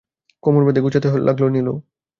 কোমর বেঁধে ঘর গোছাতে লাগল নীলু।